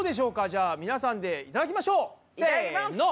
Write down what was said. じゃあみなさんでいただきましょう！せの！